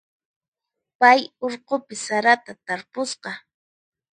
Pay urqupi sarata tarpusqa.